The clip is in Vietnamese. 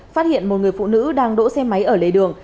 phát hiện một người phụ nữ đang đỗ xe máy ở lề đường